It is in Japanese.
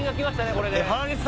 これで。